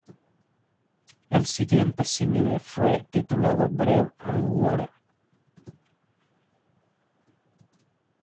El siguiente single fue titulado "Bread and Water".